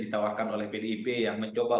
ditawarkan oleh pdip yang mencoba